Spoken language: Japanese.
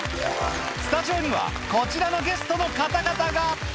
スタジオにはこちらのゲストの方々が。